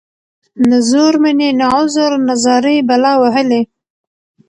نه زور مــني نه عـذر نـه زارۍ بلا وهـلې.